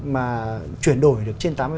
mà chuyển đổi được trên tám mươi